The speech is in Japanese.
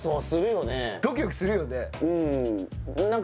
ドキドキするよね